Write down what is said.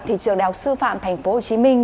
thì trường đào sư phạm thành phố hồ chí minh